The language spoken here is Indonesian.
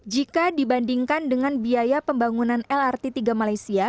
jika dibandingkan dengan biaya pembangunan lrt tiga malaysia